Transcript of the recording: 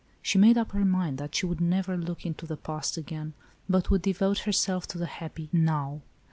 She made up her mind that she would never look into the past again, but would devote herself to the happy " now."